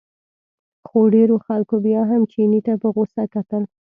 خو ډېرو خلکو بیا هم چیني ته په غوسه کتل.